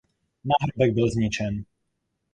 Náhrobek byl zničen.